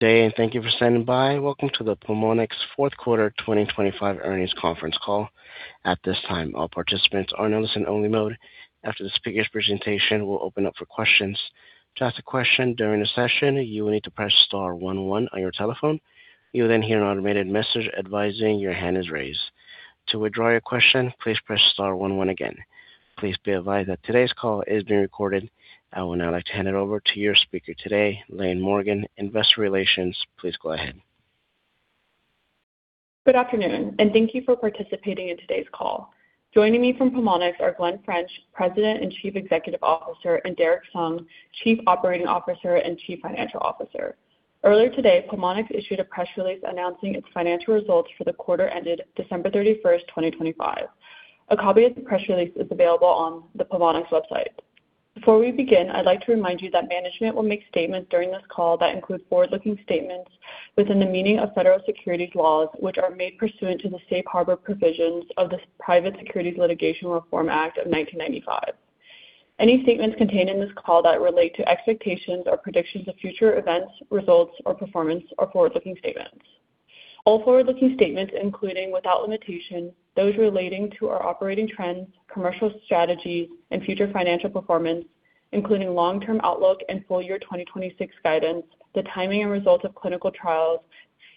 Thank you for standing by. Welcome to the Pulmonx Q4 2025 earnings conference call. At this time, all participants are in listen only mode. After the speaker's presentation, we'll open up for questions. To ask a question during the session, you will need to press star one one on your telephone. You'll hear an automated message advising your hand is raised. To withdraw your question, please press star one one again. Please be advised that today's call is being recorded. I would now like to hand it over to your speaker today, Laine Morgan, Investor Relations. Please go ahead. Good afternoon, thank you for participating in today's call. Joining me from Pulmonx are Glen French, President and Chief Executive Officer, and Derrick Sung, Chief Operating Officer and Chief Financial Officer. Earlier today, Pulmonx issued a press release announcing its financial results for the quarter ended December 31st, 2025. A copy of the press release is available on the Pulmonx website. Before we begin, I'd like to remind you that management will make statements during this call that include forward-looking statements within the meaning of federal securities laws, which are made pursuant to the Safe Harbor Provisions of the Private Securities Litigation Reform Act of 1995. Any statements contained in this call that relate to expectations or predictions of future events, results, or performance are forward-looking statements. All forward-looking statements, including without limitation, those relating to our operating trends, commercial strategies and future financial performance, including long-term outlook and full year 2026 guidance, the timing and results of clinical trials,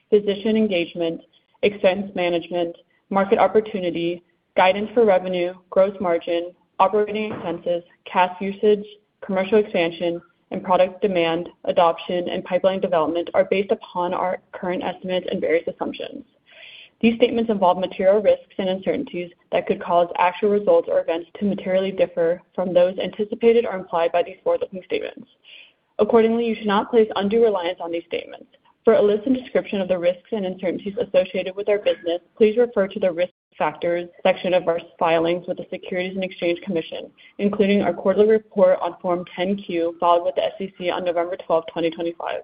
physician engagement, expense management, market opportunity, guidance for revenue, gross margin, operating expenses, cash usage, commercial expansion, and product demand, adoption, and pipeline development are based upon our current estimates and various assumptions. These statements involve material risks and uncertainties that could cause actual results or events to materially differ from those anticipated or implied by these forward-looking statements. You should not place undue reliance on these statements. For a list and description of the risks and uncertainties associated with our business, please refer to the Risk Factors section of our filings with the Securities and Exchange Commission, including our quarterly report on Form 10-Q filed with the SEC on November 12, 2025.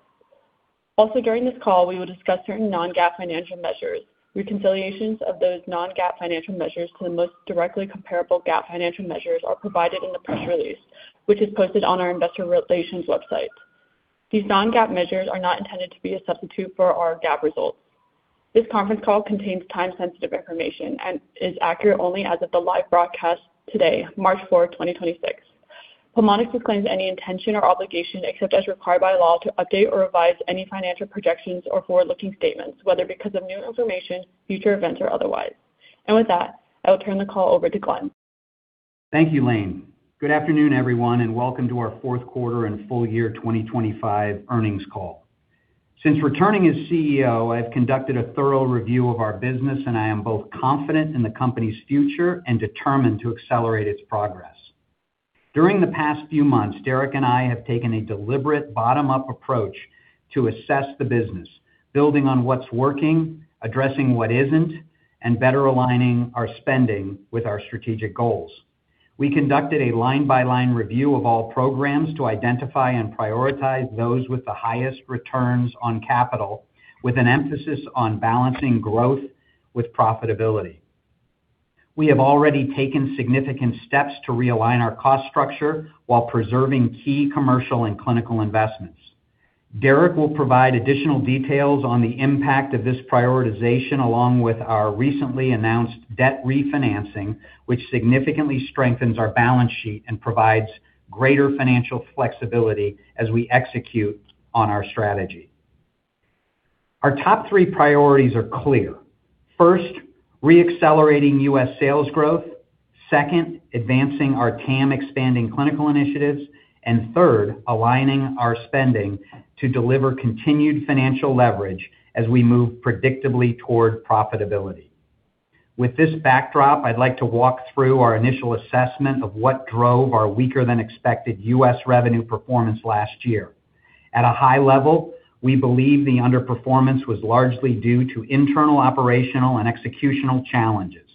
Also during this call, we will discuss certain non-GAAP financial measures. Reconciliations of those non-GAAP financial measures to the most directly comparable GAAP financial measures are provided in the press release, which is posted on our investor relations website. These non-GAAP measures are not intended to be a substitute for our GAAP results. This conference call contains time-sensitive information and is accurate only as of the live broadcast today, March 4, 2026. Pulmonx disclaims any intention or obligation, except as required by law, to update or revise any financial projections or forward-looking statements, whether because of new information, future events or otherwise. With that, I will turn the call over to Glen. Thank you, Laine. Good afternoon, everyone, welcome to our Q4 and full year 2025 earnings call. Since returning as CEO, I've conducted a thorough review of our business, I am both confident in the company's future and determined to accelerate its progress. During the past few months, Derrick and I have taken a deliberate bottom-up approach to assess the business, building on what's working, addressing what isn't, and better aligning our spending with our strategic goals. We conducted a line-by-line review of all programs to identify and prioritize those with the highest returns on capital, with an emphasis on balancing growth with profitability. We have already taken significant steps to realign our cost structure while preserving key commercial and clinical investments. Derrick will provide additional details on the impact of this prioritization, along with our recently announced debt refinancing, which significantly strengthens our balance sheet and provides greater financial flexibility as we execute on our strategy. Our top three priorities are clear. First, re-accelerating U.S. sales growth. Second, advancing our TAM expanding clinical initiatives. Third, aligning our spending to deliver continued financial leverage as we move predictably toward profitability. With this backdrop, I'd like to walk through our initial assessment of what drove our weaker-than-expected U.S. revenue performance last year. At a high level, we believe the underperformance was largely due to internal operational and executional challenges.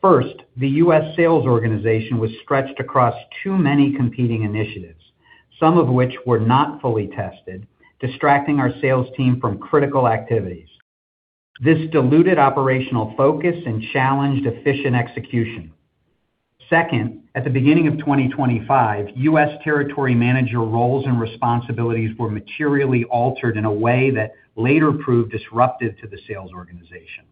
First, the U.S. sales organization was stretched across too many competing initiatives, some of which were not fully tested, distracting our sales team from critical activities. This diluted operational focus and challenged efficient execution. Second, at the beginning of 2025, U.S. territory manager roles and responsibilities were materially altered in a way that later proved disruptive to the sales organization.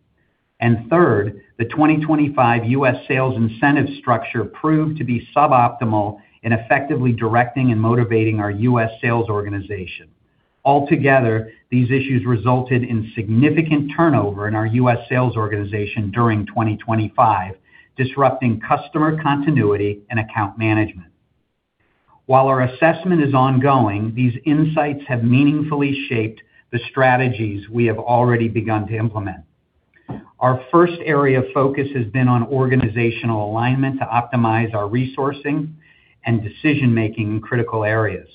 Third, the 2025 U.S. sales incentive structure proved to be suboptimal in effectively directing and motivating our U.S. sales organization. Altogether, these issues resulted in significant turnover in our U.S. sales organization during 2025, disrupting customer continuity and account management. While our assessment is ongoing, these insights have meaningfully shaped the strategies we have already begun to implement. Our first area of focus has been on organizational alignment to optimize our resourcing and decision-making in critical areas.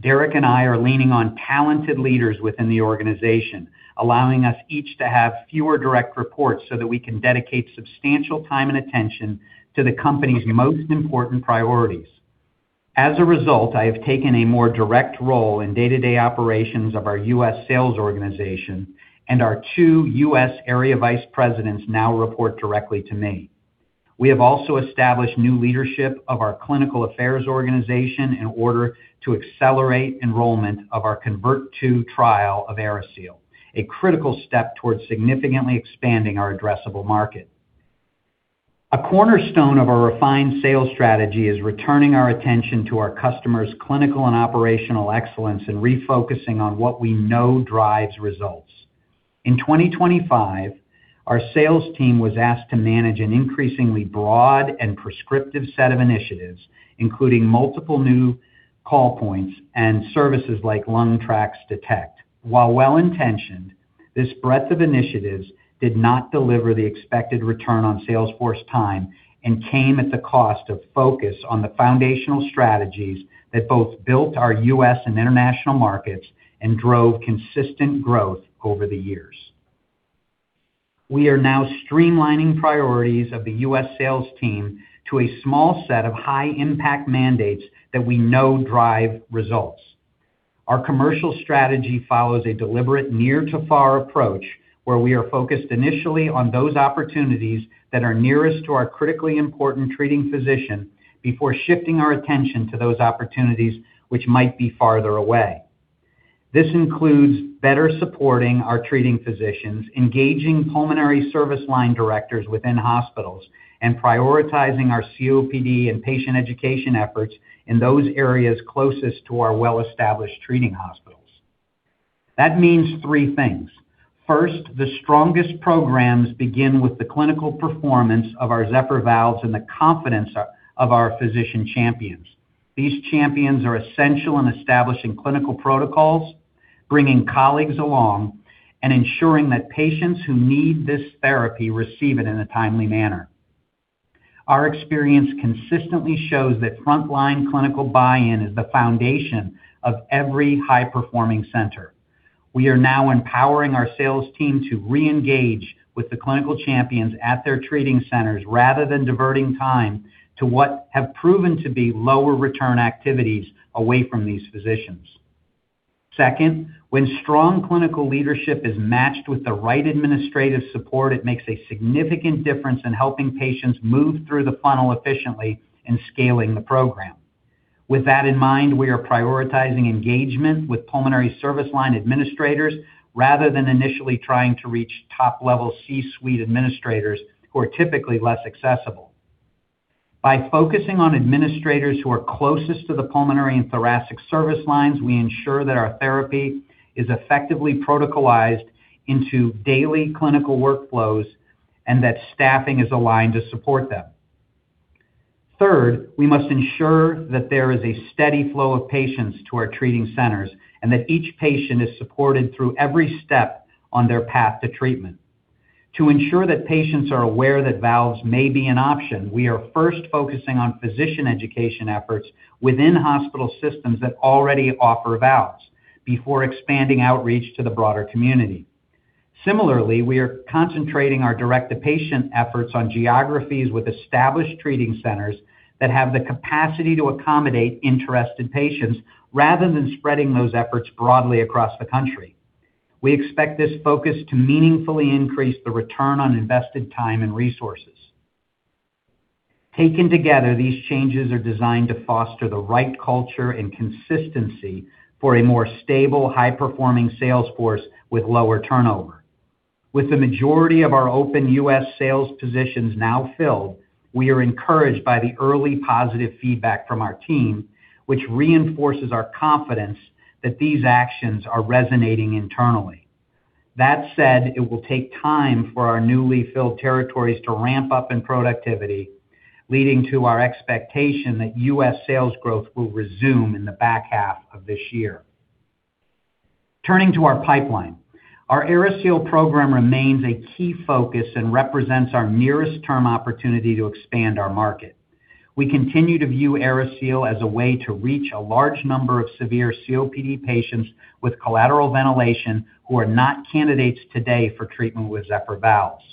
Derrick and I are leaning on talented leaders within the organization, allowing us each to have fewer direct reports so that we can dedicate substantial time and attention to the company's most important priorities. As a result, I have taken a more direct role in day-to-day operations of our US sales organization, and our two US area vice presidents now report directly to me. We have also established new leadership of our clinical affairs organization in order to accelerate enrollment of our CONVERT II trial of AeriSeal, a critical step towards significantly expanding our addressable market. A cornerstone of our refined sales strategy is returning our attention to our customers' clinical and operational excellence and refocusing on what we know drives results. In 2025, our sales team was asked to manage an increasingly broad and prescriptive set of initiatives, including multiple new call points and services like LungTrax Detect. While well-intentioned, this breadth of initiatives did not deliver the expected return on sales force time and came at the cost of focus on the foundational strategies that both built our U.S. and international markets and drove consistent growth over the years. We are now streamlining priorities of the U.S. sales team to a small set of high-impact mandates that we know drive results. Our commercial strategy follows a deliberate near-to-far approach, where we are focused initially on those opportunities that are nearest to our critically important treating physician before shifting our attention to those opportunities which might be farther away. This includes better supporting our treating physicians, engaging pulmonary service line directors within hospitals, and prioritizing our COPD and patient education efforts in those areas closest to our well-established treating hospitals. That means three things. First, the strongest programs begin with the clinical performance of our Zephyr valves and the confidence of our physician champions. These champions are essential in establishing clinical protocols, bringing colleagues along, and ensuring that patients who need this therapy receive it in a timely manner. Our experience consistently shows that frontline clinical buy-in is the foundation of every high-performing center. We are now empowering our sales team to re-engage with the clinical champions at their treating centers rather than diverting time to what have proven to be lower return activities away from these physicians. Second, when strong clinical leadership is matched with the right administrative support, it makes a significant difference in helping patients move through the funnel efficiently and scaling the program. With that in mind, we are prioritizing engagement with pulmonary service line administrators rather than initially trying to reach top-level C-suite administrators who are typically less accessible. By focusing on administrators who are closest to the pulmonary and thoracic service lines, we ensure that our therapy is effectively protocolized into daily clinical workflows and that staffing is aligned to support them. Third, we must ensure that there is a steady flow of patients to our treating centers and that each patient is supported through every step on their path to treatment. To ensure that patients are aware that valves may be an option, we are first focusing on physician education efforts within hospital systems that already offer valves before expanding outreach to the broader community. Similarly, we are concentrating our direct-to-patient efforts on geographies with established treating centers that have the capacity to accommodate interested patients rather than spreading those efforts broadly across the country. We expect this focus to meaningfully increase the return on invested time and resources. Taken together, these changes are designed to foster the right culture and consistency for a more stable, high-performing sales force with lower turnover. With the majority of our open U.S. sales positions now filled, we are encouraged by the early positive feedback from our team, which reinforces our confidence that these actions are resonating internally. That said, it will take time for our newly filled territories to ramp up in productivity, leading to our expectation that U.S. sales growth will resume in the back half of this year. Turning to our pipeline. Our AeriSeal program remains a key focus and represents our nearest term opportunity to expand our market. We continue to view AeriSeal as a way to reach a large number of severe COPD patients with collateral ventilation who are not candidates today for treatment with Zephyr valves.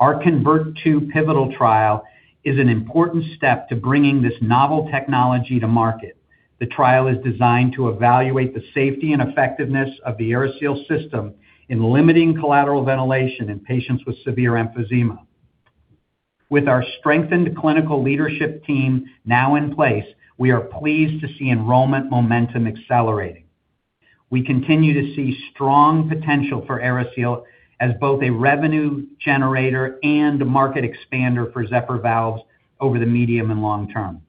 Our CONVERT II pivotal trial is an important step to bringing this novel technology to market. The trial is designed to evaluate the safety and effectiveness of the AeriSeal system in limiting collateral ventilation in patients with severe emphysema. With our strengthened clinical leadership team now in place, we are pleased to see enrollment momentum accelerating. We continue to see strong potential for AeriSeal as both a revenue generator and a market expander for Zephyr valves over the medium and long term.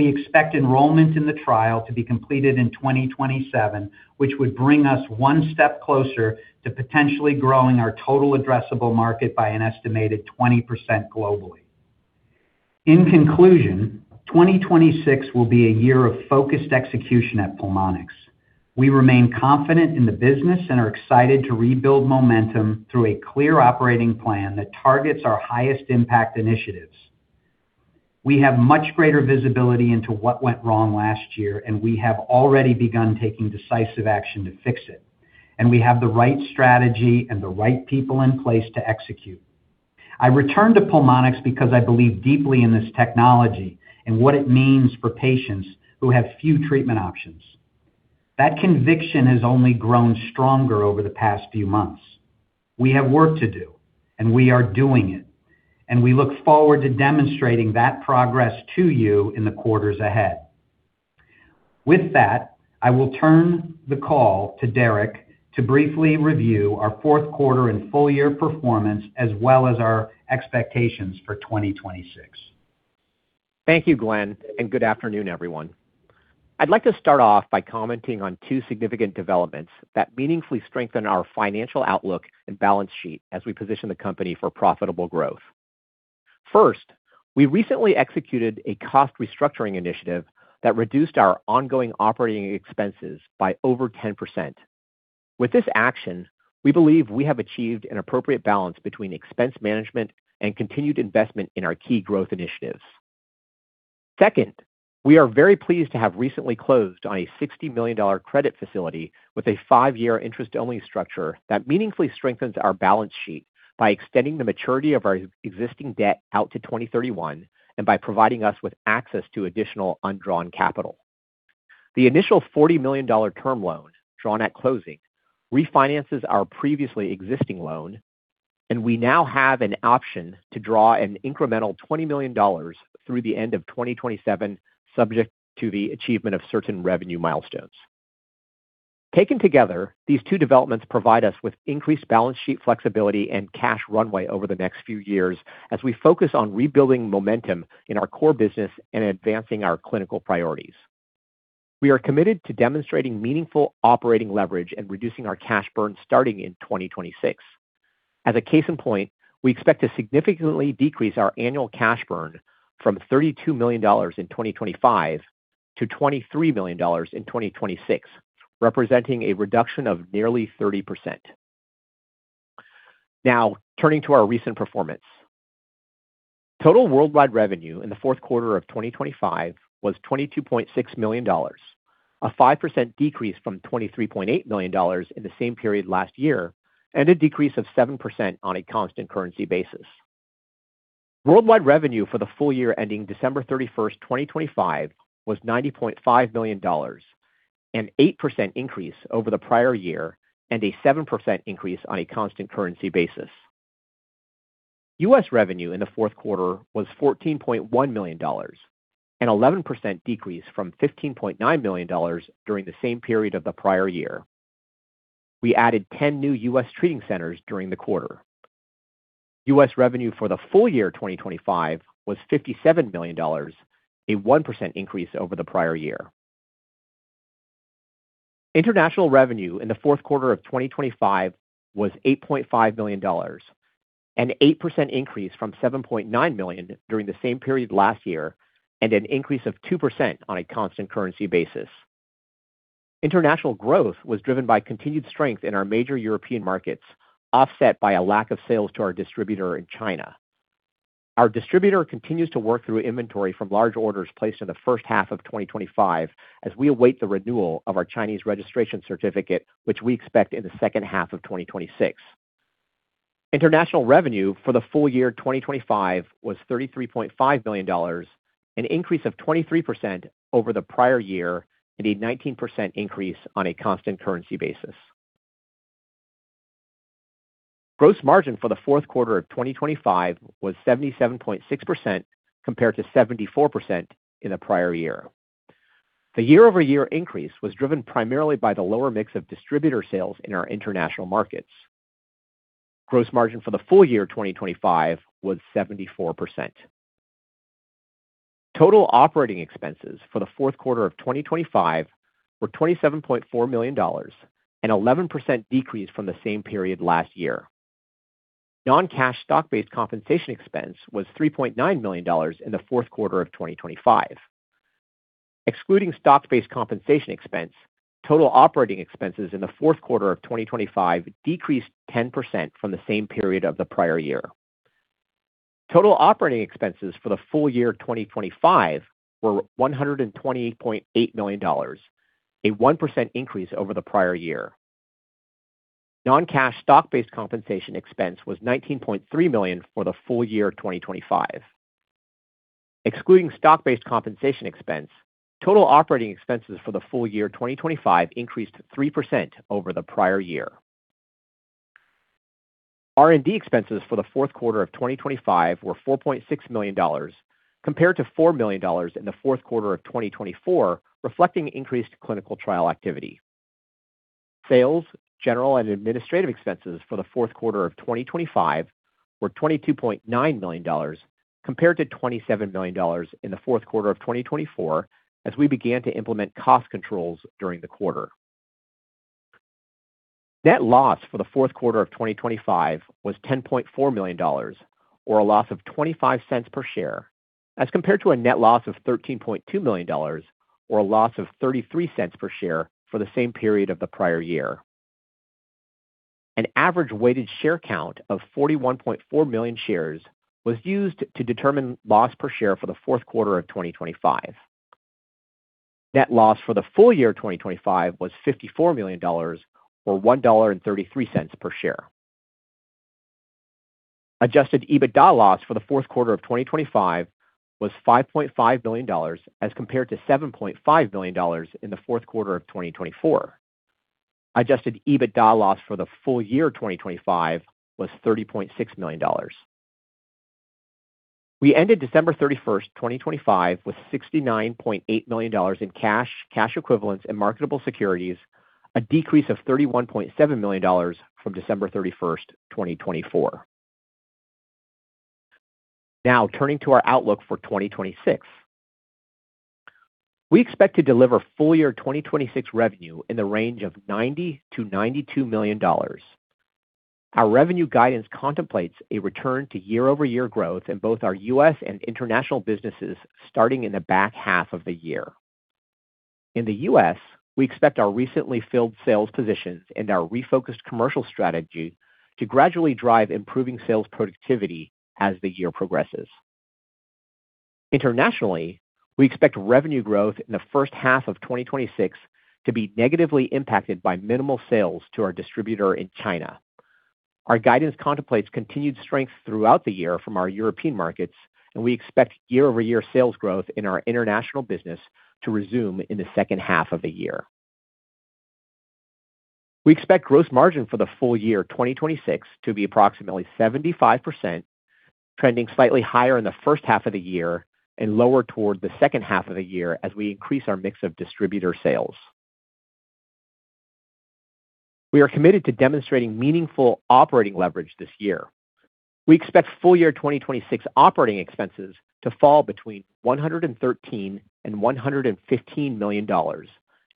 We expect enrollment in the trial to be completed in 2027, which would bring us one step closer to potentially growing our total addressable market by an estimated 20% globally. In conclusion, 2026 will be a year of focused execution at Pulmonx. We remain confident in the business and are excited to rebuild momentum through a clear operating plan that targets our highest impact initiatives. We have much greater visibility into what went wrong last year, and we have already begun taking decisive action to fix it, and we have the right strategy and the right people in place to execute. I returned to Pulmonx because I believe deeply in this technology and what it means for patients who have few treatment options. That conviction has only grown stronger over the past few months. We have work to do, and we are doing it, and we look forward to demonstrating that progress to you in the quarters ahead. With that, I will turn the call to Derrick to briefly review our Q4 and full-year performance as well as our expectations for 2026. Thank you, Glen, and good afternoon, everyone. I'd like to start off by commenting on two significant developments that meaningfully strengthen our financial outlook and balance sheet as we position the company for profitable growth. First, we recently executed a cost restructuring initiative that reduced our ongoing operating expenses by over 10%. With this action, we believe we have achieved an appropriate balance between expense management and continued investment in our key growth initiatives. Second, we are very pleased to have recently closed on a $60 million credit facility with a five-year interest-only structure that meaningfully strengthens our balance sheet by extending the maturity of our existing debt out to 2031 and by providing us with access to additional undrawn capital. The initial $40 million term loan, drawn at closing, refinances our previously existing loan, and we now have an option to draw an incremental $20 million through the end of 2027, subject to the achievement of certain revenue milestones. Taken together, these two developments provide us with increased balance sheet flexibility and cash runway over the next few years as we focus on rebuilding momentum in our core business and advancing our clinical priorities. We are committed to demonstrating meaningful operating leverage and reducing our cash burn starting in 2026. As a case in point, we expect to significantly decrease our annual cash burn from $32 million in 2025 to $23 million in 2026, representing a reduction of nearly 30%. Turning to our recent performance. Total worldwide revenue in the Q4 of 2025 was $22.6 million, a 5% decrease from $23.8 million in the same period last year and a decrease of 7% on a constant currency basis. Worldwide revenue for the full year ending December 31st, 2025 was $90.5 million, an 8% increase over the prior year and a 7% increase on a constant currency basis. U.S. revenue in the Q4 was $14.1 million, an 11% decrease from $15.9 million during the same period of the prior year. We added 10 new U.S. treating centers during the quarter. U.S. revenue for the full year 2025 was $57 million, a 1% increase over the prior year. International revenue in the Q4 of 2025 was $8.5 million, an 8% increase from $7.9 million during the same period last year and an increase of 2% on a constant currency basis. International growth was driven by continued strength in our major European markets, offset by a lack of sales to our distributor in China. Our distributor continues to work through inventory from large orders placed in the first half of 2025 as we await the renewal of our Chinese registration certificate, which we expect in the second half of 2026. International revenue for the full year 2025 was $33.5 million, an increase of 23% over the prior year and a 19% increase on a constant currency basis. Gross margin for the Q4 of 2025 was 77.6% compared to 74% in the prior year. The year-over-year increase was driven primarily by the lower mix of distributor sales in our international markets. Gross margin for the full year 2025 was 74%. Total operating expenses for the Q4 of 2025 were $27.4 million, an 11% decrease from the same period last year. Non-cash stock-based compensation expense was $3.9 million in the Q4 of 2025. Excluding stock-based compensation expense, total operating expenses in the Q4 of 2025 decreased 10% from the same period of the prior year. Total operating expenses for the full year 2025 were $128.8 million, a 1% increase over the prior year. Non-cash stock-based compensation expense was $19.3 million for the full year 2025. Excluding stock-based compensation expense, total operating expenses for the full year 2025 increased 3% over the prior year. R&D expenses for the Q4 of 2025 were $4.6 million compared to $4 million in the Q4 of 2024, reflecting increased clinical trial activity. Sales, general, and administrative expenses for the Q4 of 2025 were $22.9 million compared to $27 million in the Q4 of 2024 as we began to implement cost controls during the quarter. Net loss for the Q4 of 2025 was $10.4 million or a loss of $0.25 per share as compared to a net loss of $13.2 million or a loss of $0.33 per share for the same period of the prior year. An average weighted share count of 41.4 million shares was used to determine loss per share for the Q4 of 2025. Net loss for the full year 2025 was $54 million or $1.33 per share. Adjusted EBITDA loss for the Q4 of 2025 was $5.5 million as compared to $7.5 million in the Q4 of 2024. Adjusted EBITDA loss for the full year 2025 was $30.6 million. We ended December 31, 2025, with $69.8 million in cash equivalents and marketable securities, a decrease of $31.7 million from December 31, 2024. Turning to our outlook for 2026. We expect to deliver full year 2026 revenue in the range of $90 million-$92 million. Our revenue guidance contemplates a return to year-over-year growth in both our U.S. and international businesses starting in the back half of the year. In the U.S., we expect our recently filled sales positions and our refocused commercial strategy to gradually drive improving sales productivity as the year progresses. Internationally, we expect revenue growth in the first half of 2026 to be negatively impacted by minimal sales to our distributor in China. Our guidance contemplates continued strength throughout the year from our European markets. We expect year-over-year sales growth in our international business to resume in the second half of the year. We expect gross margin for the full year 2026 to be approximately 75%, trending slightly higher in the first half of the year and lower toward the second half of the year as we increase our mix of distributor sales. We are committed to demonstrating meaningful operating leverage this year. We expect full year 2026 operating expenses to fall between $113 million and $115 million,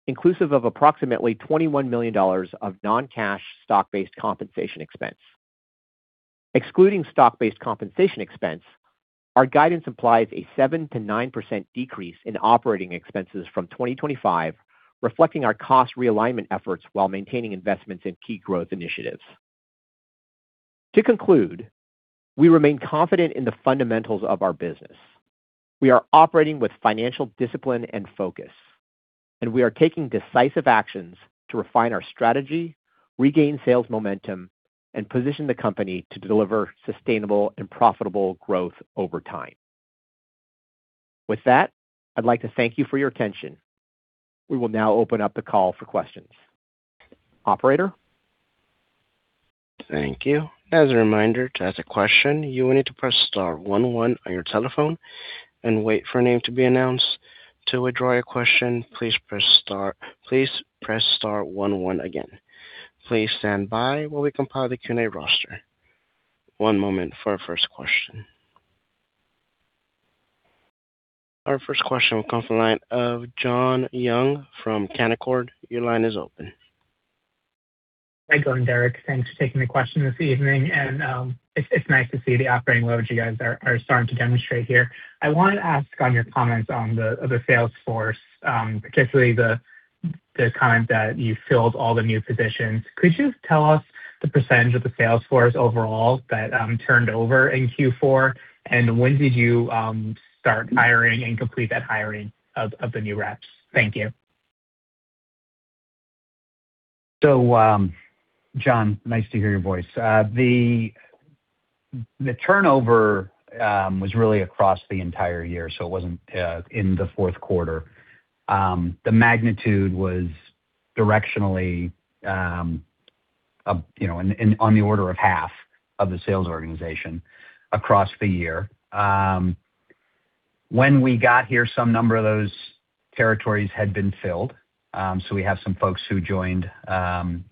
inclusive of approximately $21 million of non-cash stock-based compensation expense. Excluding stock-based compensation expense, our guidance implies a 7%-9% decrease in operating expenses from 2025, reflecting our cost realignment efforts while maintaining investments in key growth initiatives. To conclude, we remain confident in the fundamentals of our business. We are operating with financial discipline and focus, and we are taking decisive actions to refine our strategy, regain sales momentum, and position the company to deliver sustainable and profitable growth over time. With that, I'd like to thank you for your attention. We will now open up the call for questions. Operator? Thank you. As a reminder, to ask a question, you will need to press star one one on your telephone and wait for a name to be announced. To withdraw your question, please press star one one again. Please stand by while we compile the Q&A roster. One moment for our first question. Our first question will come from the line of Jon Young from Canaccord. Your line is open. Hi, Glen, Derrick. Thanks for taking the question this evening. It's nice to see the operating leverage you guys are starting to demonstrate here. I want to ask on your comments on the sales force, particularly the comment that you filled all the new positions. Could you tell us the percentage of the sales force overall that turned over in Q4? When did you start hiring and complete that hiring of the new reps? Thank you. Jon, nice to hear your voice. The turnover was really across the entire year, so it wasn't in the Q4. The magnitude was directionally up, you know, on the order of half of the sales organization across the year. When we got here, some number of those territories had been filled. We have some folks who joined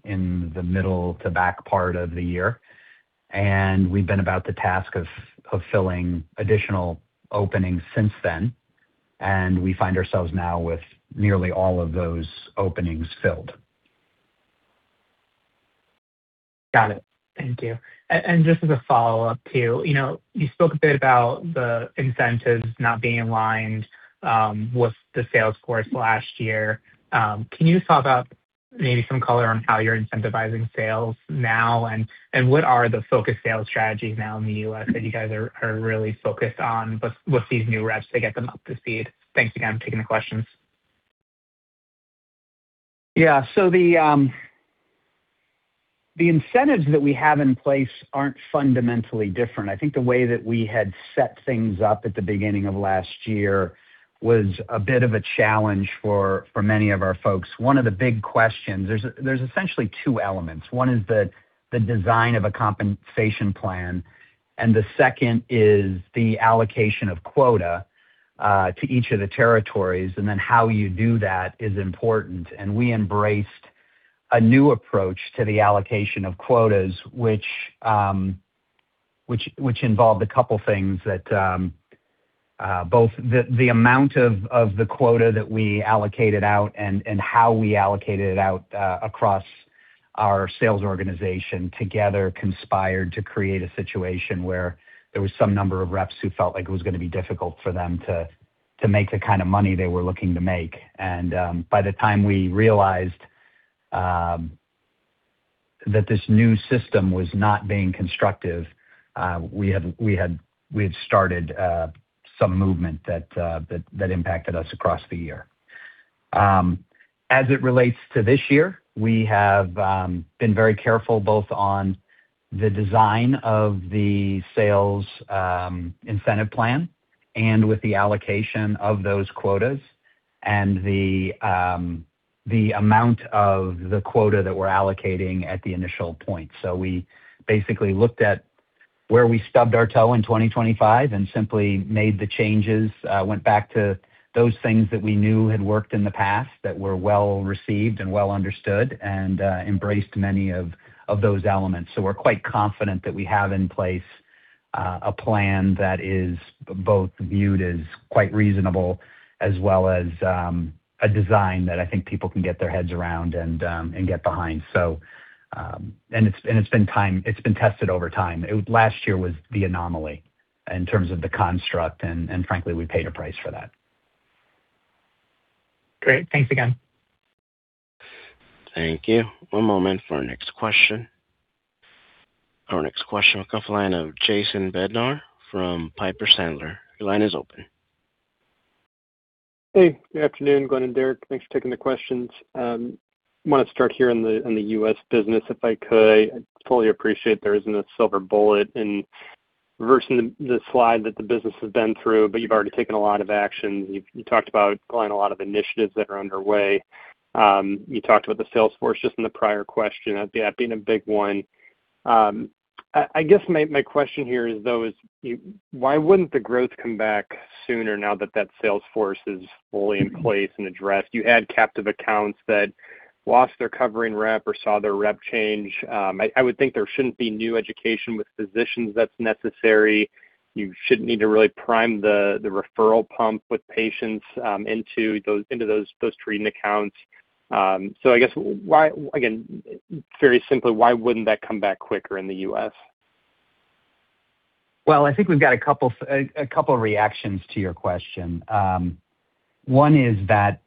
in the middle to back part of the year. We've been about the task of filling additional openings since then, and we find ourselves now with nearly all of those openings filled. Got it. Thank you. Just as a follow-up too, you know, you spoke a bit about the incentives not being aligned, with the sales force last year. Can you talk about maybe some color on how you're incentivizing sales now and what are the focus sales strategies now in the U.S. that you guys are really focused on with these new reps to get them up to speed? Thanks again for taking the questions. Yeah. The incentives that we have in place aren't fundamentally different. I think the way that we had set things up at the beginning of last year was a bit of a challenge for many of our folks. One of the big questions. There's essentially two elements. One is the design of a compensation plan, and the second is the allocation of quota to each of the territories, and then how you do that is important. We embraced a new approach to the allocation of quotas, which involved a couple things that both the amount of the quota that we allocated out and how we allocated it out across our sales organization together conspired to create a situation where there was some number of reps who felt like it was gonna be difficult for them to make the kind of money they were looking to make. By the time we realized that this new system was not being constructive, we had started some movement that impacted us across the year. As it relates to this year, we have been very careful both on the design of the sales incentive plan and with the allocation of those quotas and the amount of the quota that we're allocating at the initial point. We basically looked at where we stubbed our toe in 2025 and simply made the changes, went back to those things that we knew had worked in the past that were well-received and well understood and embraced many of those elements. We're quite confident that we have in place a plan that is both viewed as quite reasonable as well as a design that I think people can get their heads around and get behind. It's been tested over time. Last year was the anomaly in terms of the construct and frankly, we paid a price for that. Great. Thanks again. Thank you. One moment for our next question. Our next question will come from the line of Jason Bednar from Piper Sandler. Your line is open. Hey, good afternoon, Glen and Derrick. Thanks for taking the questions. I want to start here in the U.S. business, if I could. I totally appreciate there isn't a silver bullet in reversing the slide that the business has been through, but you've already taken a lot of action. You talked about applying a lot of initiatives that are underway. You talked about the sales force just in the prior question, that being a big one. I guess my question here is, though, is why wouldn't the growth come back sooner now that that sales force is fully in place and addressed? You add captive accounts that lost their covering rep or saw their rep change. I would think there shouldn't be new education with physicians that's necessary. You shouldn't need to really prime the referral pump with patients into those treating accounts. Again, very simply, why wouldn't that come back quicker in the U.S.? Well, I think we've got a couple of reactions to your question. One is that,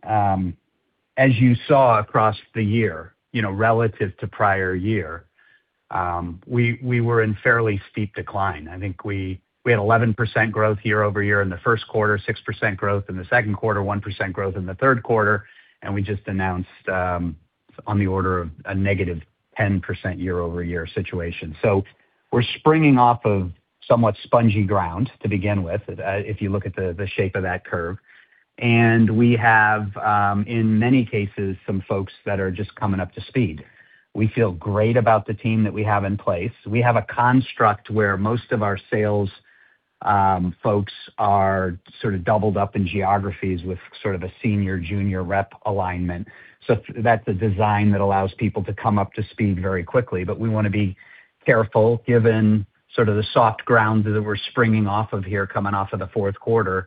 as you saw across the year, you know, relative to prior year, we were in fairly steep decline. I think we had 11% growth year-over-year in the Q1, 6% growth in the Q2, 1% growth in the Q3, and we just announced on the order of a negative 10% year-over-year situation. We're springing off of somewhat spongy ground to begin with, if you look at the shape of that curve. We have, in many cases, some folks that are just coming up to speed. We feel great about the team that we have in place. We have a construct where most of our sales, folks are sort of doubled up in geographies with sort of a senior-junior rep alignment. That's a design that allows people to come up to speed very quickly. We wanna be careful given sort of the soft ground that we're springing off of here coming off of the Q4,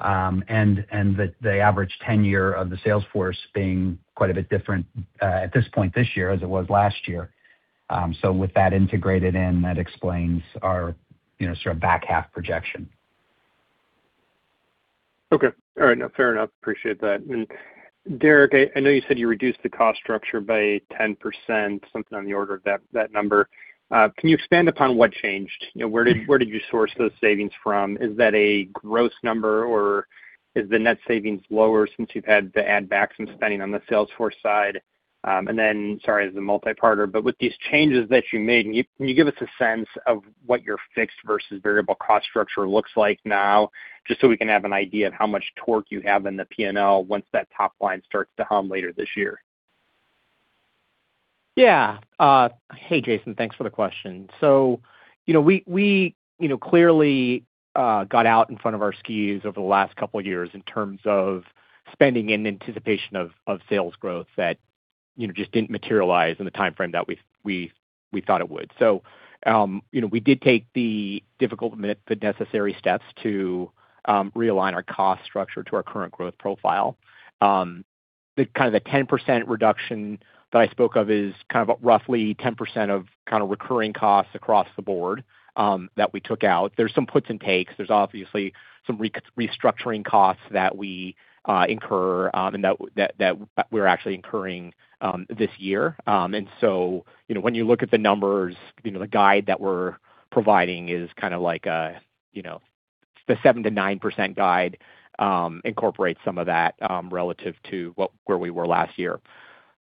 and the average tenure of the sales force being quite a bit different, at this point this year as it was last year. With that integrated in, that explains our, you know, sort of back half projection. Okay. All right. No, fair enough. Appreciate that. Derrick, I know you said you reduced the cost structure by 10%, something on the order of that number. Can you expand upon what changed? You know, where did you source those savings from? Is that a gross number, or is the net savings lower since you've had to add back some spending on the sales force side? Sorry, this is a multi-parter, but with these changes that you made, can you give us a sense of what your fixed versus variable cost structure looks like now, just so we can have an idea of how much torque you have in the P&L once that top line starts to hum later this year? Yeah. Hey, Jason. Thanks for the question. You know, we, you know, clearly got out in front of our skis over the last couple years in terms of spending in anticipation of sales growth that, you know, just didn't materialize in the timeframe that we thought it would. You know, we did take the difficult but necessary steps to realign our cost structure to our current growth profile. The kind of the 10% reduction that I spoke of is kind of roughly 10% of kind of recurring costs across the board that we took out. There's some puts and takes. There's obviously some restructuring costs that we incur and that we're actually incurring this year. When you look at the numbers, the guide that we're providing is the 7%-9% guide incorporates some of that relative to where we were last year.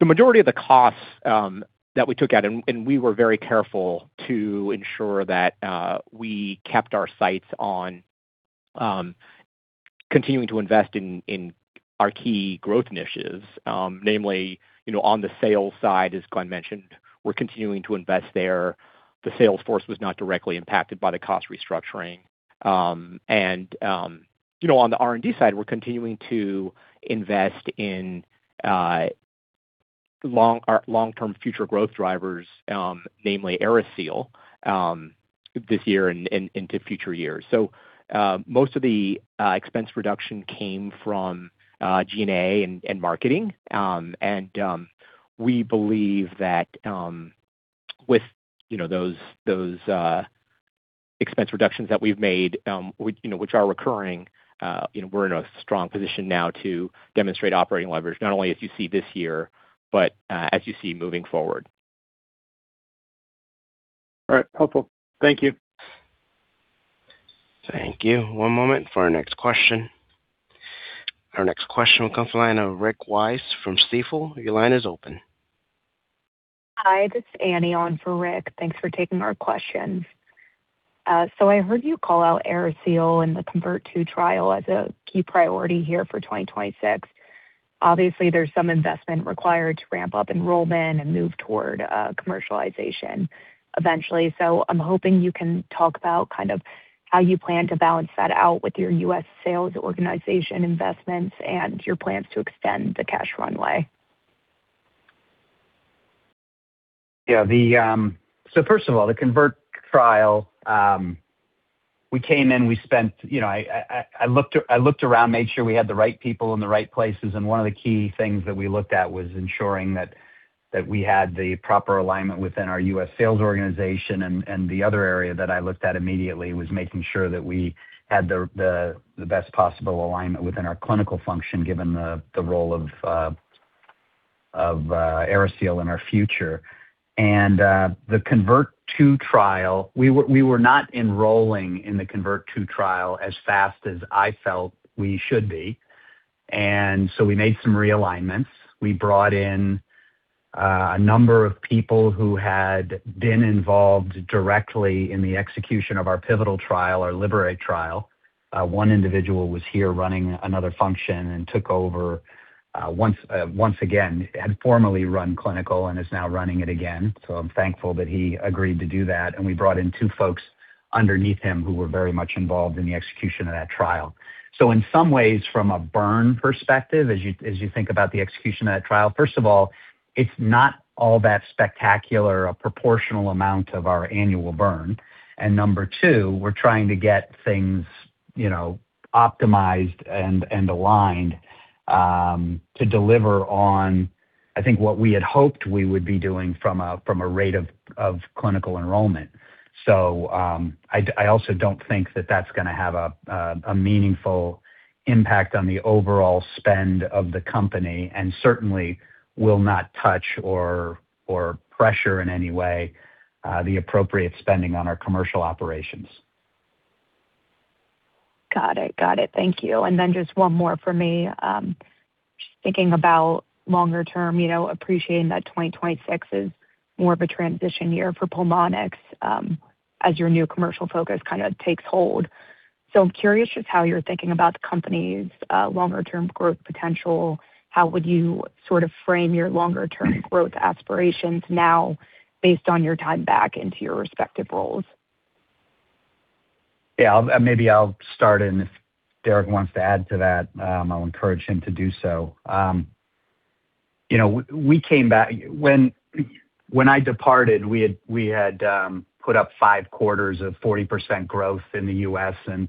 The majority of the costs that we took out, we were very careful to ensure that we kept our sights on continuing to invest in our key growth niches, namely on the sales side, as Glen mentioned, we're continuing to invest there. The sales force was not directly impacted by the cost restructuring. On the R&D side, we're continuing to invest in long-term future growth drivers, namely AeriSeal this year and into future years. Most of the expense reduction came from G&A and marketing. We believe that, with, you know, those expense reductions that we've made, which, you know, which are recurring, you know, we're in a strong position now to demonstrate operating leverage, not only as you see this year, but, as you see moving forward. All right. Helpful. Thank you. Thank you. One moment for our next question. Our next question will come from the line of Rick Wise from Stifel. Your line is open. Hi, this is Annie on for Rick. Thanks for taking our questions. I heard you call out AeriSeal and the CONVERT II trial as a key priority here for 2026. Obviously, there's some investment required to ramp up enrollment and move toward commercialization eventually. I'm hoping you can talk about kind of how you plan to balance that out with your U.S. sales organization investments and your plans to extend the cash runway. Yeah. The first of all, the CONVERT trial, we came in, we spent, you know, I looked around, made sure we had the right people in the right places, and one of the key things that we looked at was ensuring that we had the proper alignment within our US sales organization. The other area that I looked at immediately was making sure that we had the best possible alignment within our clinical function, given the role of AeriSeal in our future. The CONVERT II trial, we were not enrolling in the CONVERT II trial as fast as I felt we should be. We made some realignments. We brought in a number of people who had been involved directly in the execution of our pivotal trial, our LIBERATE trial. One individual was here running another function and took over, once again, had formerly run clinical and is now running it again. I'm thankful that he agreed to do that. We brought in two folks underneath him who were very much involved in the execution of that trial. In some ways, from a burn perspective, as you, as you think about the execution of that trial, first of all, it's not all that spectacular a proportional amount of our annual burn. Number two, we're trying to get things, you know, optimized and aligned to deliver on, I think, what we had hoped we would be doing from a rate of clinical enrollment. I also don't think that that's gonna have a meaningful impact on the overall spend of the company and certainly will not touch or pressure in any way, the appropriate spending on our commercial operations. Got it. Got it. Thank you. Just one more for me. Just thinking about longer term, you know, appreciating that 2026 is more of a transition year for Pulmonx as your new commercial focus kind of takes hold. I'm curious just how you're thinking about the company's longer-term growth potential. How would you sort of frame your longer-term growth aspirations now based on your time back into your respective roles? Yeah. Maybe I'll start, and if Derrick wants to add to that, I'll encourage him to do so. You know, we came back. When I departed, we had put up five quarters of 40% growth in the U.S., and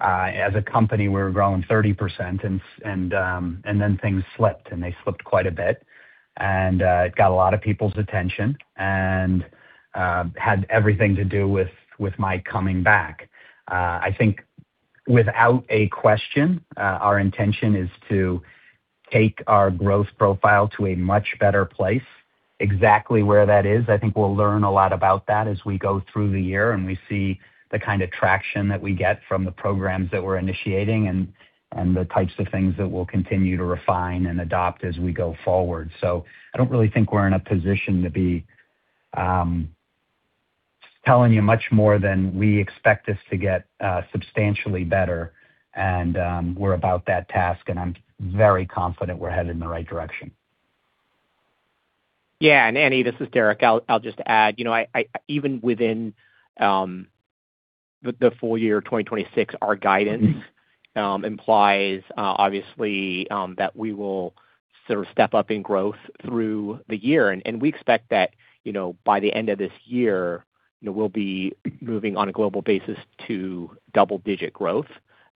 as a company, we were growing 30% and then things slipped, and they slipped quite a bit. It got a lot of people's attention and had everything to do with my coming back. I think without a question, our intention is to take our growth profile to a much better place. Exactly where that is, I think we'll learn a lot about that as we go through the year and we see the kind of traction that we get from the programs that we're initiating and the types of things that we'll continue to refine and adopt as we go forward. I don't really think we're in a position to be telling you much more than we expect this to get substantially better. We're about that task, and I'm very confident we're headed in the right direction. Yeah. Annie, this is Derrick. I'll just add, you know, even within the full year 2026, our guidance implies, obviously, that we will sort of step up in growth through the year. And we expect that, you know, by the end of this year, you know, we'll be moving on a global basis to double-digit growth.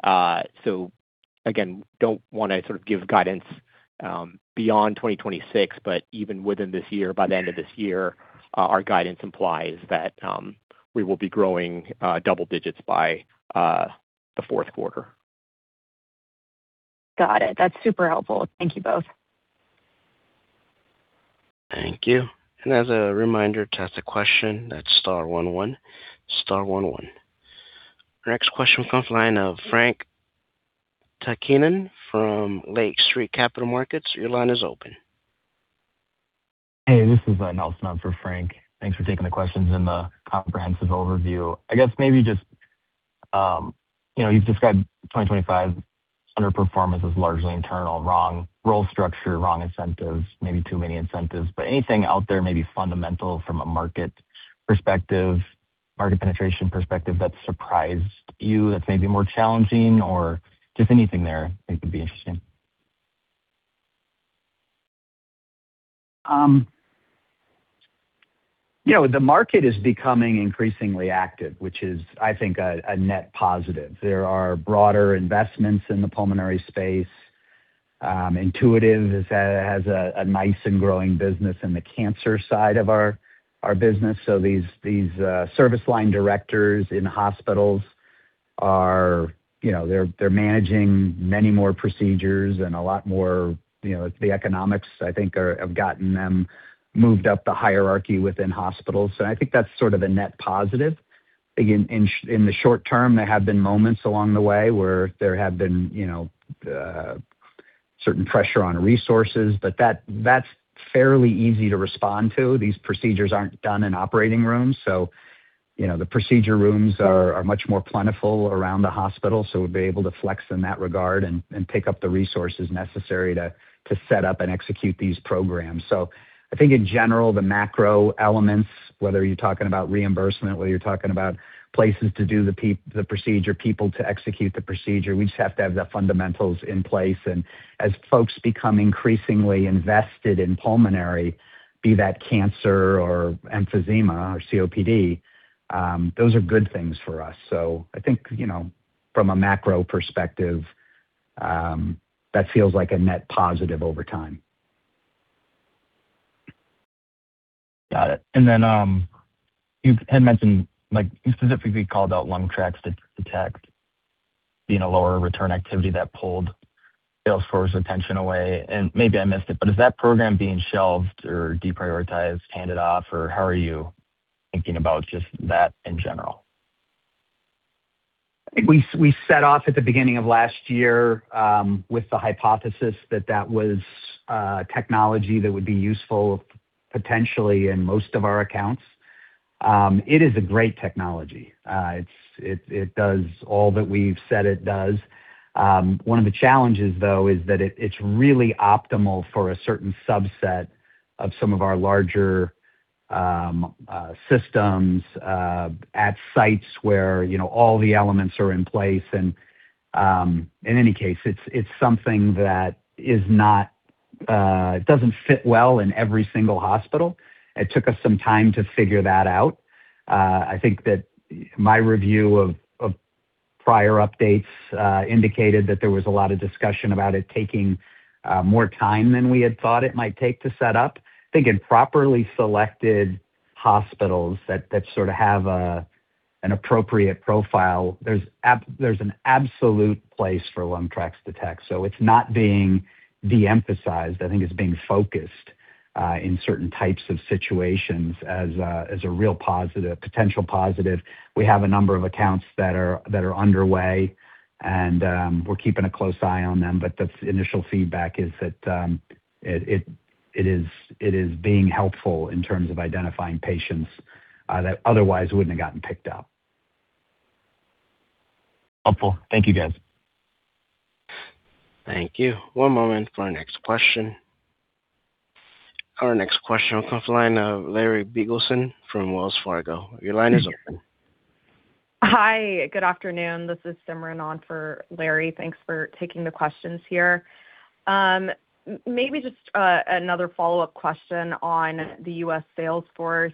Again, don't wanna sort of give guidance beyond 2026, but even within this year, by the end of this year, our guidance implies that we will be growing double digits by the Q4. Got it. That's super helpful. Thank you both. Thank you. As a reminder, to ask a question, that's star one one. Star one one. Our next question comes from the line of Frank Takkinen from Lake Street Capital Markets. Your line is open. Hey, this is Nelson for Frank. Thanks for taking the questions and the comprehensive overview. I guess maybe just, you know, you've described 2025 underperformance as largely internal, wrong role structure, wrong incentives, maybe too many incentives. Anything out there maybe fundamental from a market perspective, market penetration perspective that surprised you, that's maybe more challenging or just anything there I think would be interesting. Yeah. Well, the market is becoming increasingly active, which is, I think, a net positive. There are broader investments in the pulmonary space. Intuitive has a nice and growing business in the cancer side of our business. These service line directors in hospitals. You know, they're managing many more procedures and a lot more, you know, the economics I think have gotten them moved up the hierarchy within hospitals. I think that's sort of a net positive. Again, in the short term, there have been moments along the way where there have been, you know, certain pressure on resources, but that's fairly easy to respond to. These procedures aren't done in operating rooms. You know, the procedure rooms are much more plentiful around the hospital, so we'll be able to flex in that regard and pick up the resources necessary to set up and execute these programs. I think in general, the macro elements, whether you're talking about reimbursement, whether you're talking about places to do the procedure, people to execute the procedure, we just have to have the fundamentals in place. As folks become increasingly invested in pulmonary, be that cancer or emphysema or COPD, those are good things for us. I think, you know, from a macro perspective, that feels like a net positive over time. Got it. Like you specifically called out LungTrax Detect being a lower return activity that pulled sales force attention away. Maybe I missed it, but is that program being shelved or deprioritized, handed off, or how are you thinking about just that in general? I think we set off at the beginning of last year, with the hypothesis that that was technology that would be useful potentially in most of our accounts. It is a great technology. It does all that we've said it does. One of the challenges, though, is that it's really optimal for a certain subset of some of our larger systems, at sites where, you know, all the elements are in place. In any case, it's something that is not. It doesn't fit well in every single hospital. It took us some time to figure that out. I think that my review of prior updates indicated that there was a lot of discussion about it taking more time than we had thought it might take to set up. I think in properly selected hospitals that sort of have an appropriate profile, there's an absolute place for LungTrax Detect. It's not being de-emphasized. I think it's being focused in certain types of situations as a real positive, potential positive. We have a number of accounts that are underway, and we're keeping a close eye on them. The initial feedback is that it is being helpful in terms of identifying patients that otherwise wouldn't have gotten picked up. Helpful. Thank you, guys. Thank you. One moment for our next question. Our next question comes from the line of Larry Biegelsen from Wells Fargo. Your line is open. Hi, good afternoon. This is Simran on for Larry. Thanks for taking the questions here. Maybe just another follow-up question on the U.S. sales force.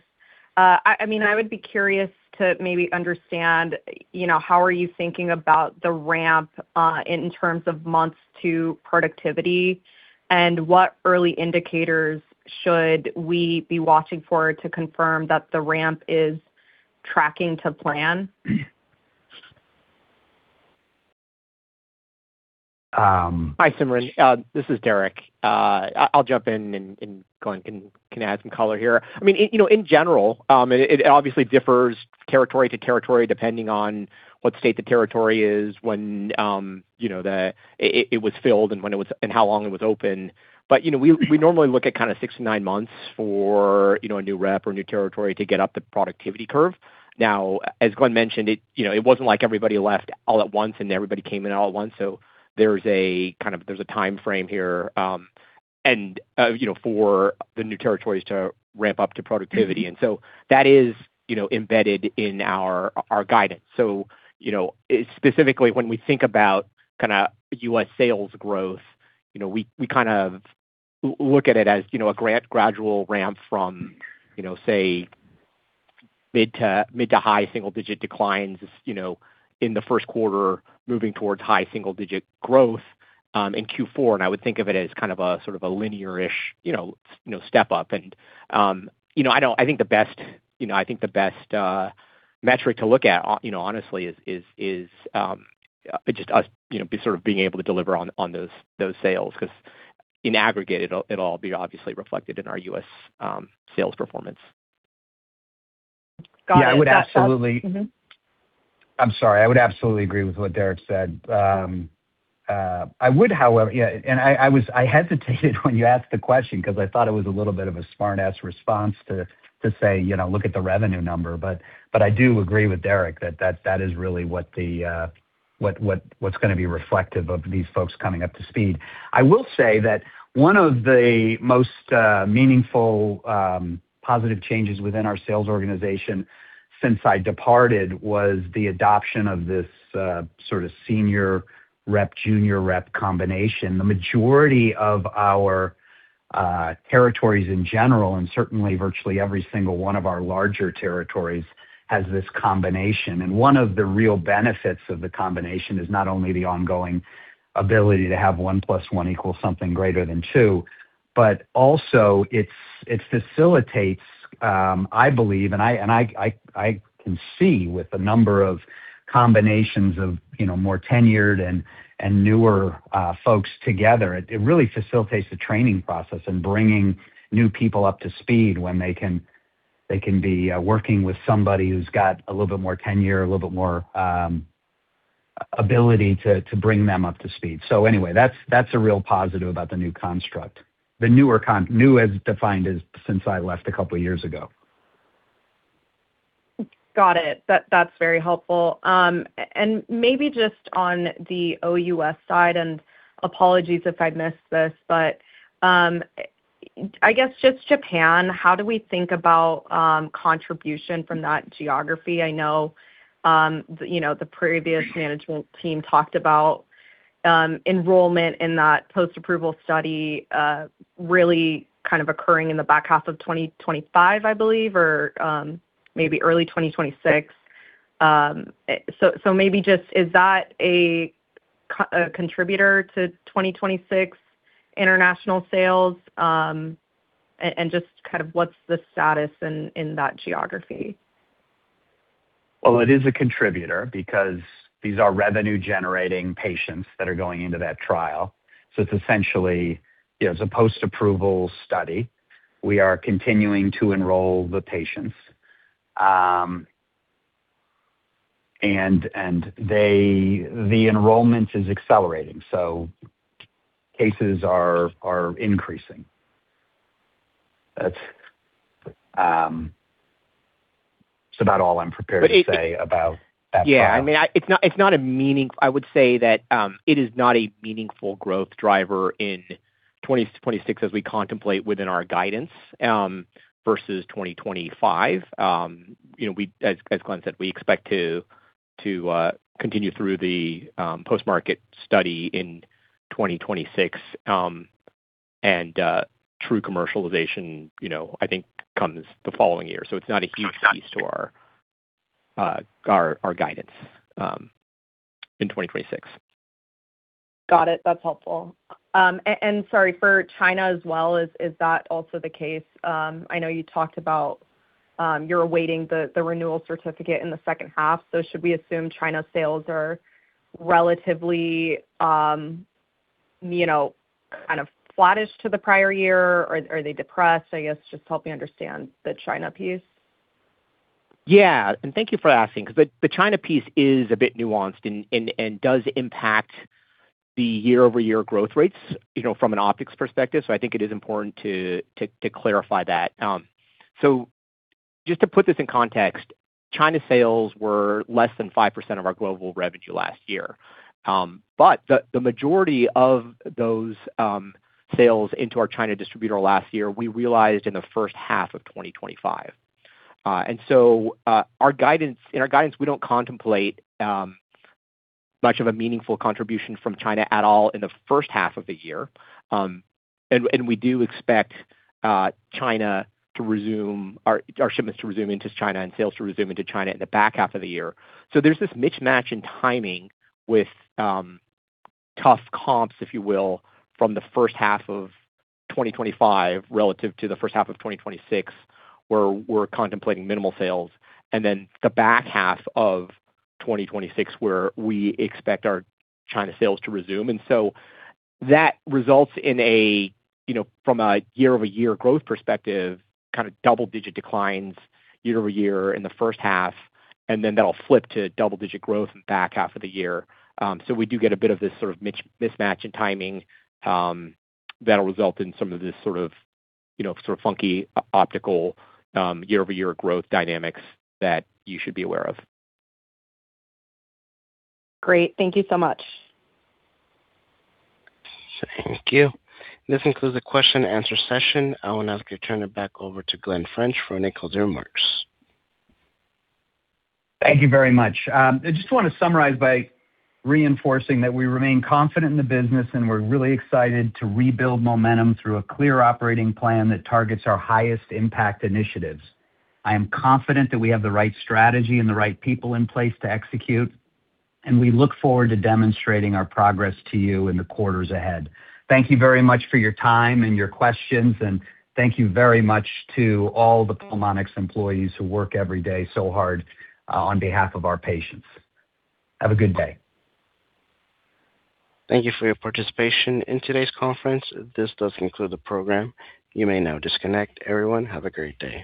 I mean, I would be curious to maybe understand, you know, how are you thinking about the ramp in terms of months to productivity, and what early indicators should we be watching for to confirm that the ramp is tracking to plan? Um- Hi, Simran. This is Derrick. I'll jump in and Glen can add some color here. I mean, you know, in general, it obviously differs territory to territory, depending on what state the territory is, when, you know, it was filled and how long it was open. You know, we normally look at kind of six to nine months for, you know, a new rep or new territory to get up the productivity curve. As Glen mentioned, you know, it wasn't like everybody left all at once and everybody came in all at once. There's a timeframe here, and, you know, for the new territories to ramp up to productivity. That is, you know, embedded in our guidance. You know, specifically when we think about kind of US sales growth, you know, we kind of look at it as, you know, a gradual ramp from, you know, say mid to high single-digit declines, you know, in the Q1, moving towards high single-digit growth in Q4. I would think of it as kind of a, sort of a linear-ish, you know, step-up. You know, I don't I think the best, you know, I think the best metric to look at, you know, honestly is just us, you know, sort of being able to deliver on those sales 'cause in aggregate, it'll all be obviously reflected in our US sales performance. Got it. Yeah, I would absolutely- Mm-hmm. I'm sorry. I would absolutely agree with what Derrick said. I would however... Yeah, and I hesitated when you asked the question because I thought it was a little bit of a smart-ass response to say, you know, look at the revenue number. But I do agree with Derrick that that is really what the what's gonna be reflective of these folks coming up to speed. I will say that one of the most meaningful positive changes within our sales organization since I departed was the adoption of this sort of senior rep, junior rep combination. The majority of our territories in general, and certainly virtually every single one of our larger territories has this combination. One of the real benefits of the combination is not only the ongoing ability to have one plus one equals something greater than two, but also it facilitates, I believe, and I can see with the number of combinations of, you know, more tenured and newer folks together, it really facilitates the training process and bringing new people up to speed when they can be working with somebody who's got a little bit more tenure, a little bit more ability to bring them up to speed. Anyway, that's a real positive about the new construct. The newer new as defined as since I left a couple years ago. Got it. That, that's very helpful. Maybe just on the OUS side, and apologies if I missed this, but I guess just Japan, how do we think about contribution from that geography? I know, you know, the previous management team talked about enrollment in that post-approval study, really kind of occurring in the back half of 2025, I believe, or maybe early 2026. So maybe just is that a contributor to 2026 international sales? And just kind of what's the status in that geography? It is a contributor because these are revenue-generating patients that are going into that trial. It's essentially, you know, it's a post-approval study. We are continuing to enroll the patients. And the enrollment is accelerating, so cases are increasing. That's... It's about all I'm prepared to say about that product. Yeah. I mean, It's not, it's not a meaning-- I would say that, it is not a meaningful growth driver in 2026 as we contemplate within our guidance, versus 2025. You know, as Glen said, we expect to continue through the post-market study in 2026. True commercialization, you know, I think comes the following year. It's not a huge piece to our guidance, in 2026. Got it. That's helpful. Sorry, for China as well, is that also the case? I know you talked about, you're awaiting the renewal certificate in the second half, so should we assume China sales are relatively, you know, kind of flattish to the prior year, or are they depressed? I guess just help me understand the China piece. Yeah. Thank you for asking, 'cause the China piece is a bit nuanced and does impact the year-over-year growth rates, you know, from an optics perspective. I think it is important to clarify that. Just to put this in context, China sales were less than 5% of our global revenue last year. The majority of those sales into our China distributor last year, we realized in the first half of 2025. In our guidance, we don't contemplate much of a meaningful contribution from China at all in the first half of the year. We do expect China to resume, our shipments to resume into China and sales to resume into China in the back half of the year. There's this mismatch in timing with tough comps, if you will, from the first half of 2025 relative to the first half of 2026, where we're contemplating minimal sales. The back half of 2026, where we expect our China sales to resume. That results in a, you know, from a year-over-year growth perspective, kind of double-digit declines year-over-year in the first half, and then that'll flip to double-digit growth in the back half of the year. We do get a bit of this sort of mismatch in timing that'll result in some of this sort of, you know, sort of funky optical year-over-year growth dynamics that you should be aware of. Great. Thank you so much. Thank you. This concludes the question and answer session. I will now turn it back over to Glen French for any closing remarks. Thank you very much. I just wanna summarize by reinforcing that we remain confident in the business, and we're really excited to rebuild momentum through a clear operating plan that targets our highest impact initiatives. I am confident that we have the right strategy and the right people in place to execute, and we look forward to demonstrating our progress to you in the quarters ahead. Thank you very much for your time and your questions, and thank you very much to all the Pulmonx employees who work every day so hard on behalf of our patients. Have a good day. Thank you for your participation in today's conference. This does conclude the program. You may now disconnect. Everyone, have a great day.